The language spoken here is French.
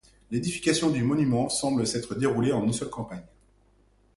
L'édification du monument semble s'être déroulée en une seule campagne.